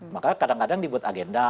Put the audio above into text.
maka kadang kadang dibuat agenda